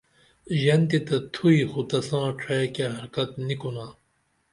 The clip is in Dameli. ژنتی تہ تھوئی خو تساں ڇھئی کیہ حرکت نی کونہ